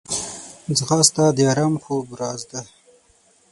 ځغاسته د ارام خوب راز ده